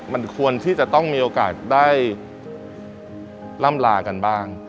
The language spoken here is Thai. มันควรที่จะต้องมีโอกาสได้ล่ำลากันบ้าง